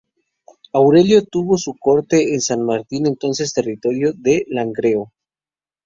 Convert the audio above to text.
Aurelio tuvo su corte en San Martín, entonces territorio de Langreo.